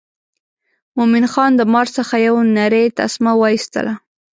مومن خان د مار څخه یو نرۍ تسمه وایستله.